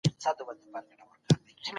د وروسته پاته والي یوازي یو لامل نه وي.